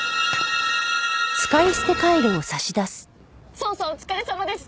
捜査お疲れさまです！